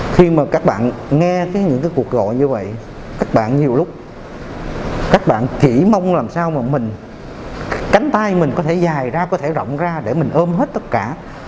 khi mà các bạn nghe những cuộc gọi như vậy các bạn nhiều lúc chỉ mong làm sao mà cánh tay mình có thể dài ra có thể rộng ra để mình ôm hết tất cả